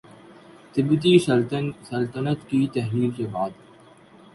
تبتی سلطنت کی تحلیل کے بعد